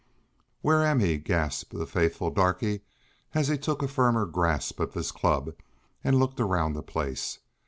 "Whar am he?" gasped the faithful darky, as he took a firmer grasp of his club and looked around the place.